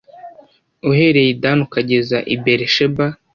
uhereye i Dani ukageza i Bērisheba